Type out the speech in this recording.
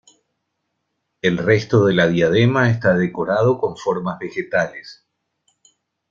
El resto de la diadema está decorado con formas vegetales.